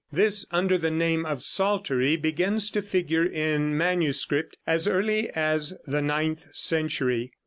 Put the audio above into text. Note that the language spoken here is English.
This, under the name of psaltery, begins to figure in manuscript as early as the ninth century.